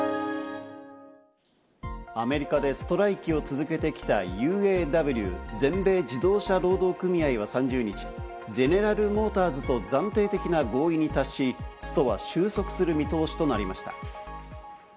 アメリカでストライキを続けてきたＵＡＷ＝全米自動車労働組合は３０日、ゼネラル・モーターズと暫定的な合意に達し、ストは収束する見通しとなりました。